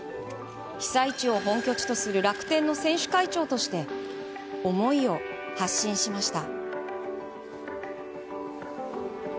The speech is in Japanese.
被災地を本拠地とする楽天の選手会長として思いを発信しました。